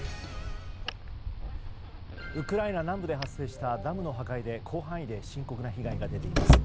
ウクライナ南部で発生したダムの破壊で広範囲で深刻な被害が出ています。